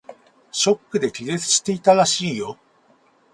ショックで気絶していたらしいよ。